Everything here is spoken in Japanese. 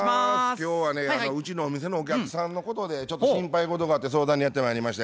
今日はねうちのお店のお客さんのことでちょっと心配事があって相談にやってまいりまして。